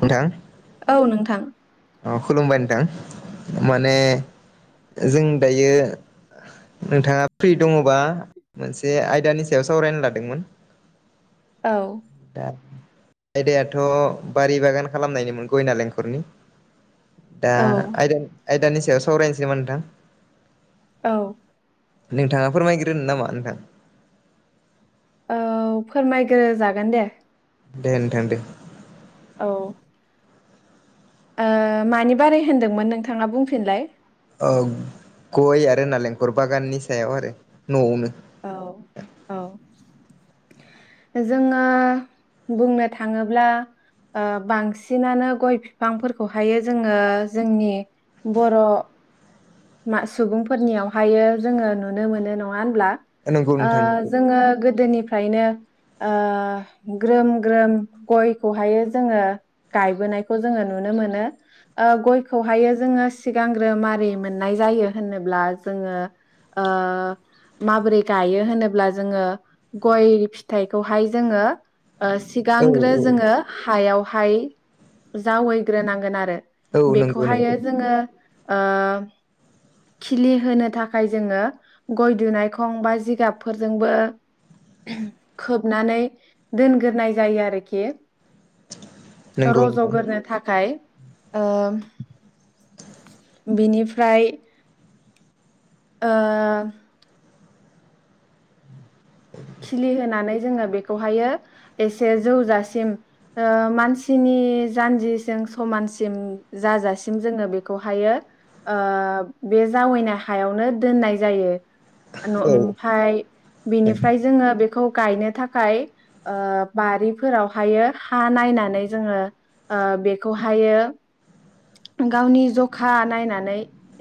नोंथां औ नोंथां अ खुलुमबाय नोंथां माने जों दायो नोंथाङा फ्रि दङबा मोनसे आयदानि सायाव सावरायना लादोंमोन औ दा आयदायाथ' बारि बागान खालामनायनिमोन गय नालेंखरनि दा औ आयदा आयदानि सायाव सावरायनोसैमोन नोंथां औ नोंथाङा फोरमायग्रोनो नामा नोंथां औ फोरमायग्रो जागोन दे दे नोंथां दे औ ओ मानि बारै होनदोंमोन नोंथाङा बुंफिनलाय औ गय आरो नालेंखर बागाननि सायाव आरो न'आवनो औ औ जोङो बुंनो थाङोब्ला ओ बांसिनानो गय बिफांफोरखौहायो जोङो जोंनि बर' मा सुबुंफोरनियावहायो जोङो नुनो मोनो नङा होनब्ला नंगौ ओ नोंथां नंगौ जोङो गोदोनिफ्रायनो ओ ग्रोम -ग्रोम गयखौहाय जोङो गायबोनायखौ जोङो नुनो मोनो ओ गयखौहायो जोङो सिगांग्रो मारै मोननाय जायो होनोब्ला जोङो ओ माबोरै गायो होनोब्ला जोङो गय फिथाइखौहाय जोङो ओ औ सिगांग्रो औ जोङो हायाव हाय जावैग्रोनांगोन आरो औ नंगौ नंगौ बेखौहायो जोङो [unintelligible] खिलि होनो थाखाय जोङो गय दुनायखौं बा जिगाबफोरजोंबो खोबनानै दोनग्रोनाय जायो आरोखि नंगौ नोंथां रज'ग्रो थाखाय ओ बिनिफ्राय ओ खिलि होनोनानै जोङो बेखौहायो एसे जौजासिम ओ मानसिनि जानजिसिम समानसिम जाजासिम जोङो बेखौहायो ओ बे जावैनाय हायावनो दोननाय जायो। औ ओमफ्राय बेनिफ्राय जोङो बेखौ गायनो थाखाय ओ बारिफोरावहायो हा नायनानै जोङो ओ बेखौहायो गावनि जखा नायनानै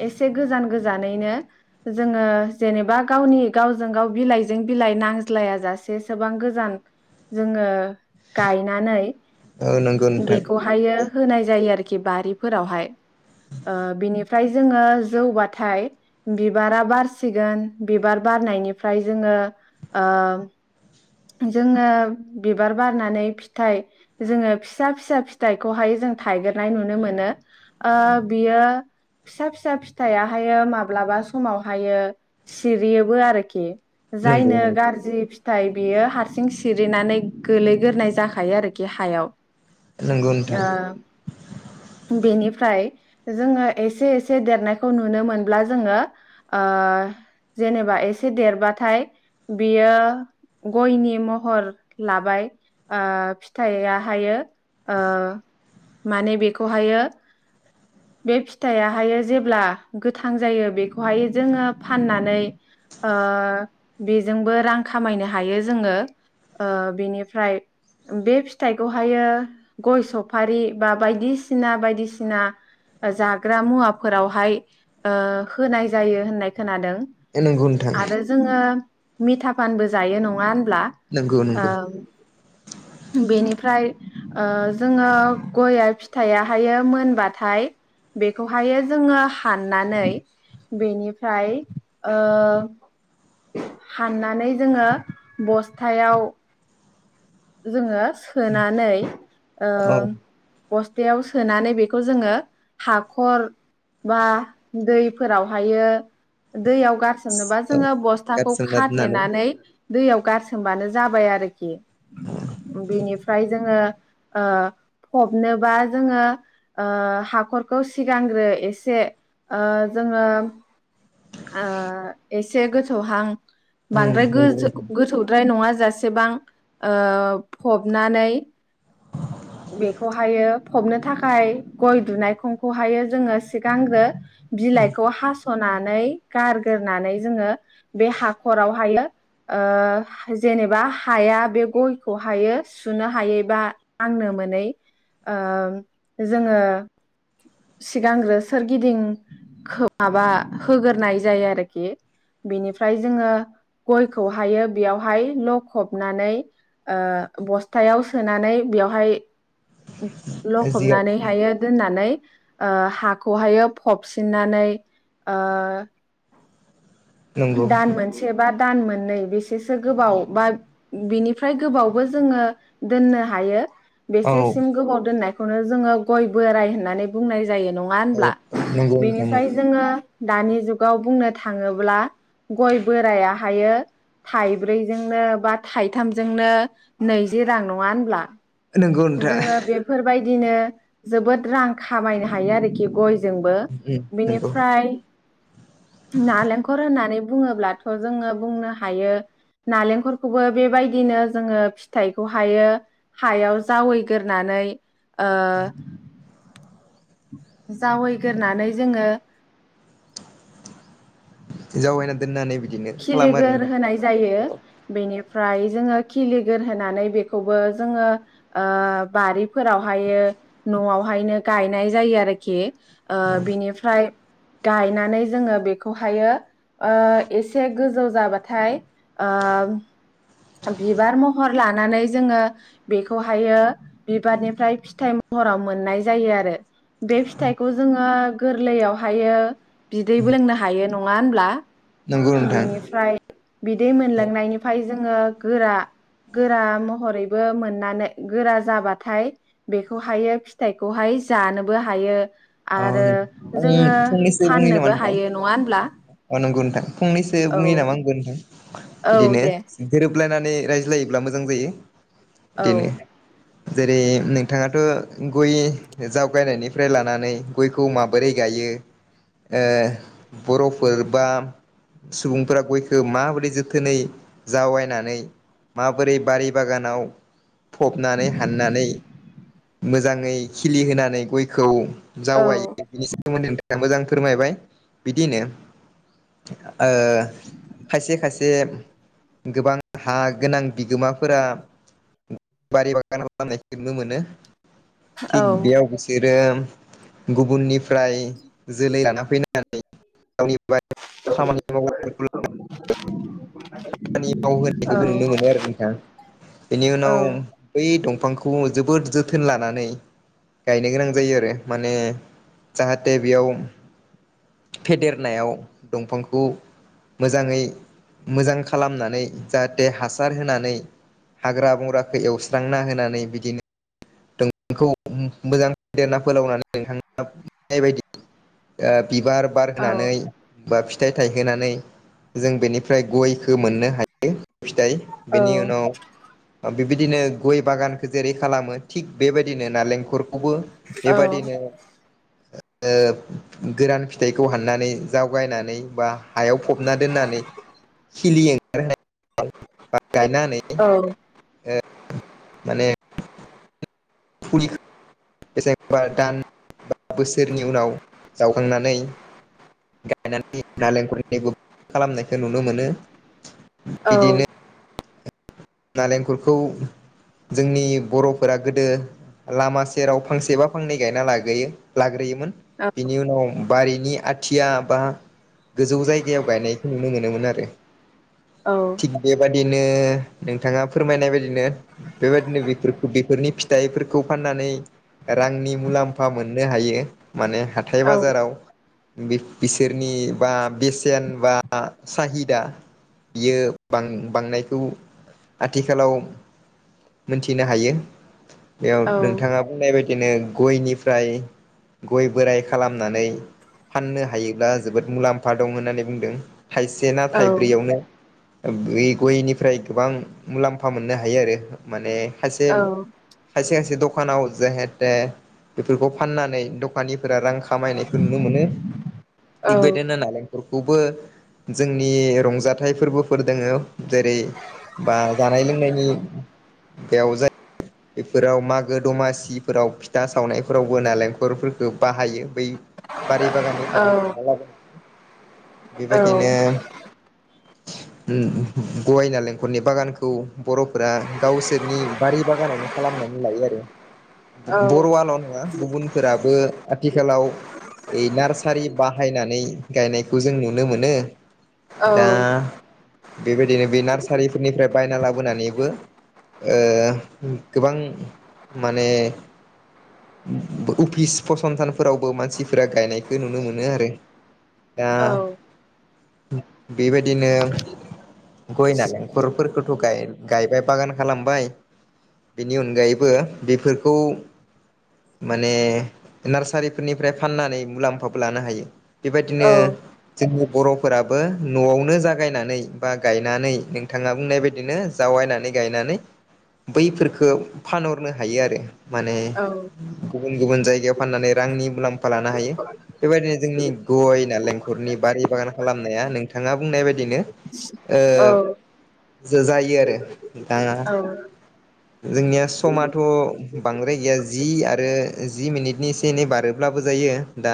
एसे गोजान - गोजानैनो जोङो जेनेबा गावनि गावजों गाव बिलाइजों बिलाइ नांज्लाय जाासेसेबां गोजान जोङो गायनानै। औ नंगौ नोंथां बारिफ। फोरावहाय। ओ‌‌ बिनि ओमफ्राय जोङो जौबाथाय बिबारा बारसिगोन बिबार बारनायनिफ्राय जोङो जोङो ओ। बिबार बारनानै फिथाइ जोङो फिसा फिसा फिथाइखौहाय जों थाइगेरनाय नुनो मोनो। ओ बियो फिसा - फिसा फिथाइाहायो माब्लाबा समावहायो सिरियोबो आरोखि। नंगौ जायनो नंगौ गाज्रि नाथाय बियो हारसिं सिरिनानै गोलैग्रोनाय जाखायो आरोखि हायाव। नोंगौ नोथां। निफ्राय जोङो एसे एसे देरनायखौ नुनो मोनब्ला जोङो ओ जेनेबा एसे देरबाथाय बियो गयनि महर लाबाय ओ फिथाइआ हायो ओ माने बेखौ बे फिथाइहायो जेब्ला गोथां जायो बेखौहाय जोङो फाननानै ओ बेजोंबो रां खामायनो हायो जोङो ओ बेनिफ्राय बे फिथाइखौहायो गय सफारि बा बायदिसिना बायदिसिना बायदिसिना जाग्रा मुवाफोरावहाय होनाय ओ जायो होननाय खोनादों। नंगौ नोंथां आरो जोङो मिथा फानबो जायो नङा होनब्ला नंगौ नंगौ ओ बेनिफ्राय जोङो ओ गय फिथाइाहायो मोनबाथाय बेखौहायो जोङो हाननानै बेनिफ्राय हाननानै जोङो ओ बस्थायाव जोङो सोनानै ओ औ बस तायाव सोनानै बेखौ जोङो हाखर बा दैफोरावहायो दैयाव गारसोमनोबा औ जोङो बस्थाखौ गारसोमना दोननानै खाथेनानै दैयाव गारसोमबानो जाबाय आरोखि। बिनिफ्राय जोङो ओ फबनोबा जोङो ओ हाखरखौ सिगांग्रो एसे ओ जोङो ओ एसे गोथौ हां उम बांद्राय नंगौ गोज नोंथां गोथौद्राय नङा जासेबां। ओ फबनानै बेखौहायो फबनो थाखाय गय दुनायखंखौहायो जोङो सिगांग्रो बिलाइखौ हास सनानै गारगोरनानै जोङो बे हाखरावहायो ओ जेनेबा हाया बे गयखौ हायो सुनो हायै बा नांनो मोनै ओ जोङो सिगांग्रो सोरगिदिं खो माबा होग्रोनाय जायो आरोखि बिनिफ्राय जोङो गयखौहायो बेयावहाय लखबनानै ओ बस्थायाव ओ सोनानै बेयावहाय जिगाब लखबनानैहायो दोननानै ओ हाखौहायो फबसिननानै नंगौ दान मोनसे बा दान मोननै बेसोसो गोबाव बा बिनिफ्राय गोबावबो जोङो दोननो हायो। औ बेसेसिम औ गोबाव दोननाय खौनो जोङो गय बोराय होननानै बुंनाय जायो नङा होनब्ला नंगौ नोंथां बेनिफ्राय जोङो दानि जुगाव बुंनो थाङोब्ला गय बोरायाहायो थाइब्रैजोंनो बा थाइथामजोंनो नैजि रां नंङा होनब्ला नंगौ नोंथां जोङो बेफोरबाय दिनो जोबोद रां खामायनो हायो आरोखि गय जोंबो उम नंगौ बिनिफ्राय नालेंखर होननानै बुङोब्लाथ जोङो बुंनो हायो नालेंखरखौबो बेबायदिनो जोङो फिथाइखौ हायो हायाव जावैगोरनानै ओ जावैग्रानै जोङो जावैना दोननानै बिदिनो खालामो आरो खिलिगोर नोंथां होनाय जायो बेनि फ्राय जोङो खिलिगोर होनोनानै बेखौबो फ्राय जोङो ओ बारिफोरावहाय न'आवहायनो गायनाय जायो आरोखि ओ बिनिफ्राय गायनानै जोङो बेखौहायो ओ एसे गोजौ जाबाथाय ओ बिबार महर लानानै जोङो बेखौहायो बिबारनिफ्राय फिथाइ महराव मोननाय जायो आरो बे फिथाइखौ जोङो गोरलैयावहायो बिदै बो लोंनो हायो नङा होनब्ला नंगौ नोंथां बेनिफ्राय बिदै मोनलोंनायनिफाय जोङो गोरा गोरा महरैबो मोननानै गोरा जाबाथाय बेखौहायो फिथाइखौहाय जानोबो हायो अ आरो आं जोङो फंनैसो बुंनि नामा फाननोबो नोंथां हायो नङा होनब्ला अ नंगौ नोंथां फंनैसो औ बुंङो नामा आगोन नोंथां। औ बिदिनो दे गोरोबलायनानै रायज्लायोब्ला मोजां जायो। औ दिनो जेरै नोंथाङाथ' गय जावगायनायनिफ्राय लानानै गयखौ माबोरै गायो ओ बर'फोर बा सुबुंफोरा गयखौ माबोरै जोथोनै जावायनानै माबोरै बारि बागानाव फबनानै हाननानै मोजाङै खिलि होनानै गयखौ औ जावायो बिनि सोमोन्दै मोजां फोरमायबाय। बिदिनो ओ खायसे खायसे गोबां हा गोनां बिगोमाफोरा बारि बागान खालामनायखौ नुनो मोनो। औ थिग बेया बिसो बेम गुबुननिफ्राय जोलै लाना फैनायनानै। गावनिफ्राय [inaudible] खामानि मावहोनायखौबो नुनो मोनो आरो नोंथां। बेनि औ उनाव बै दंफां फांखौ जोबोद जोथोन लानानै गायनो गोनां जायो आरो माने जाहाथे बेयाव फेदेरनायाव दंफांखौ मोजाङै मोजां खालामनानै जाहाथे हासार होनानै हाग्रा बंग्राखौ एवस्रांना होनानै बिदिनो नोंखौ मोजां [inaudible] फोलावनानै [inaudible] बायदि ओ बिबार बार औ होनानै बा फिथाइ थायहोनानै जों बेनिफ्राय गयखौ मोननो हायो। फिथाइ औ बेनि उनाव बिबायदिनो गय बागानखौ जेरै खालामो थिग बेबायदिनो नालेंखर खौबो औ बेबादिनो ओ गोरान फिथाइखौ हाननानै जावगायनानै बा हायाव फबना दोननानै खिलि ओंखारहोनाय गायना होनानै। ओ माने फुलिखो बेसेबां दान बा बोसोरनि उनाव जावखांनानै गायनानै नालेंखरनि खालामनायखौ नुनो मोनो। बिदिनो नालेंखलखौ जोंनि बर'फोरा गोदो लामा सेराव फांसेबा फांनै गायना लागोयो लाग्रोयो मोन औ बिनि उनाव बारि नि आथिया बा गोजौ जायगायाव गायनायखौ नुनो मोनोमोन आरो थिग बेबादि नो नोंथाङा फोरमायनाय बायदिनो बेफोरखौ बेफोरनि फिथाइफोरखौ फाननानै रांनि मुलाम्फा मोननो हायो। मानो हाथाय बाजाराव बि-बिसोरनि बा बेसेन बा साहिदा बियो बां-बांनायखौ आथिखालाव मोनथिनो हायो। बेयाव नोंथाङा बुंनाय बादिनो गयनिफ्राय गय बोराइ खालामनानै फाननो हायोब्ला जोबोद मुलाम्फा दं होननानै बुंदों। थाइसे ना थाइब्रैयावनो बे गयनिफ्राय गोबां मुलाम्फा मोननो हायो। आरो माने खायसे खायसे खायसे दड दखानाव जाहेते बेफोरखौ फाननानै दखानिफोरा रां खा खामायनायखौ नुनो मोनो। इगबायदिनो नालेंखर खौबो जोंनि रंजाथाइ फोरबोफोर दोङो जेरै बा जानाय लोंनायनि बेयाव जा बेफोराव मागो दमासिफोराव फिथा सावनायफोरावबो नालेंखरफोरफोरखौ बाहायो। बै बारि बागाननिफ्रायनो हानना लाबोनानै बेबायदिनो गइ नालेंखरनि बागानखौ बर'फोरा गावसोरनि बारि बागानावनो खालामनानै लायो आरो बर'वाल' नङा गुबुनफोराबो आथिखालाव इ नारसारि बाहायनानै गायनायखौ जों नुनो मोनो औ दा बेबायदिनो बे नार्सारिफोरनिफ्राय बायना लाबोनानैबो गोबां माने अफिस फसंथानफोरावबो मानसिफोरा गायनायखौ नुनो मोनो आरो दा औ औ बेबायदिनो गय नालेंखरफोरखौथ' गाय गायबाय बागान खालामबाय बेनि अनगायैबो बेफोरखौ माने नार्सारिफोरनिफ्राय फाननानै मुलाम्फाबो लानो हायो औ बेबायदिनो जोंनि बर'फोराबो न'आवनो जागायनानै बा गायनानै नोंथाङा बुंनाय बदिनो जावायनानै गायनानै बैफोरफोरखौ फानहरनो हायो आरो माने गुबुन गुबुन जायगायाव फाननानै रांनि मुलाम्फा लानो हायो बेबायदिनो जोंनि गय नारेंखरनि बारि बागान खालामनाया नोंथाङा बुंनाय बायदिनो ओ औ जो जायो आरो दा औ जोंनिया समाथ' बांद्राय गैया जि आरो जि मिनिटनिसे एनै बारोब्लाबो जायो दा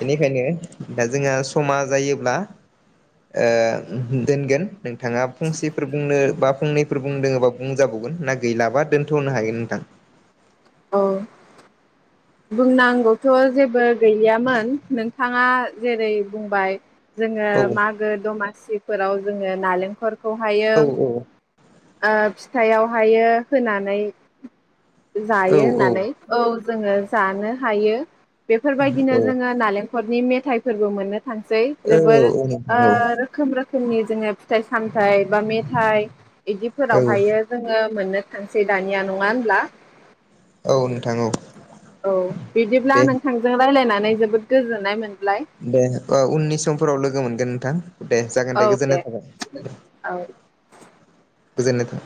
बेनिखायनो दा जोंहा समा जायोब्ला ओ दोनगोन नोंथाङा फंसेफोर बुंनो बा फंनैफोर बुंदोङोबा बुंजाबावगोन ना गैलाबा दोनथ'नो हायो नोंथां औ बुंनांगौथ' जेबो गैयामोन नोंथाङा जेरै बुंबाय जोङो औ मागो दमासि फोराव जोङो नालेंखर खौ हायो औ ओ फिथायाइावहायो होनानै जायो औ होननानै औ जोङो जानो हायो बेफोरबायदिनो औ औ जोङो नालेंख ननि मेथाइफोरबो मोननो थानसै औ जोबोर औ नोंथां ओ औ रोखोम रो फोरनि जोङो फिथाइ सामथाइ बा मेथाइ औ इदिफोरावहायो जोङो मोननो थांसेै दानिया नङा होनब्ला औ नोंथां औ औ बिदिब्ला दे नोंथांजों रायज्लायना नै जोबोद गोजोननाय मोन दे ओ उननि समफोराव लोगो मोनगोन नोंथां दे जागोन दे गोजोननाय थाबाय। औ गोजोननाय था